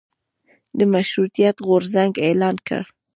د مشروطیت غورځنګ اعلان کړ.